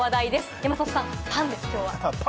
山里さん、パンです今日は！